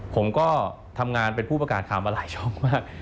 ผมก็ทำงานเป็นผู้ประกาศข่าวมาหลายช่องมาก